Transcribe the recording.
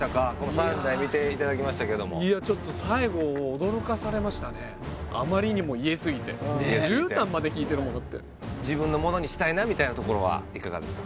３台見ていただきましたけども最後あまりにも家すぎてじゅうたんまで敷いてるもん自分のものにしたいなみたいなところはいかがですか？